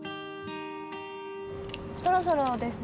そろそろですね。